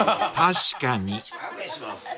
［確かに］